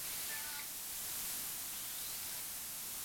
mwanakanisa katika dhehebu fulani lakini ni vilevile Mkristo katika Kanisa